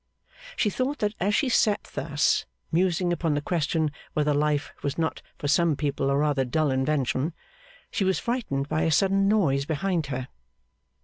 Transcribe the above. She thought that as she sat thus, musing upon the question whether life was not for some people a rather dull invention, she was frightened by a sudden noise behind her.